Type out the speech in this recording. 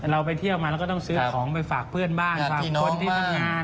เราไปเที่ยวมาเราก็ต้องซื้อของไปฝากเพื่อนบ้านฝากคนที่ทำงาน